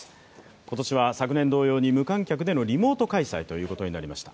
今年は昨年同様に無観客でのリモート開催になりました。